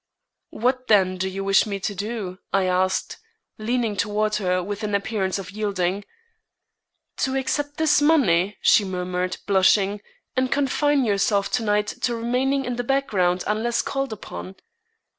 "What, then, do you wish me to do?" I asked, leaning toward her, with an appearance of yielding. "To accept this money," she murmured, blushing, "and confine yourself to night to remaining in the background unless called upon."